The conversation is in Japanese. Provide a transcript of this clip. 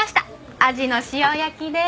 アジの塩焼きです。